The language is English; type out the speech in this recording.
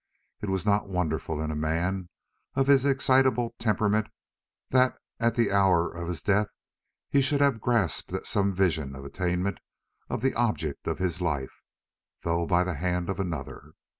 It was not wonderful in a man of his excitable temperament that at the hour of his death he should have grasped at some vision of attainment of the object of his life, though by the hand of another.